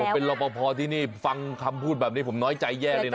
เป็นรอปภที่นี่ฟังคำพูดแบบนี้ผมน้อยใจแย่เลยนะ